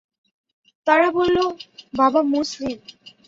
তারা বলল, বাবা মুসলিম।